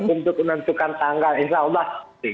untuk menentukan tanggal insya allah